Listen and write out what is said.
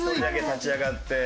立ち上がって。